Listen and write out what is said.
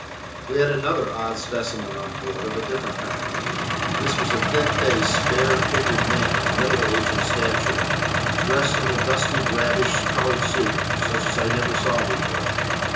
We had another odd specimen on board, of a different kind. This was a thin faced, spare figured man of middle age and stature, dressed in a dusty drabbish coloured suit, such as I never saw before.